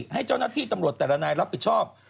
ให้เจ้าหน้าที่ตำรวจแต่ละนายรับผิดชอบ